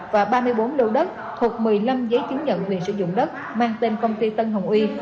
và ba mươi bốn lô đất thuộc một mươi năm giấy chứng nhận quyền sử dụng đất mang tên công ty tân hồng uy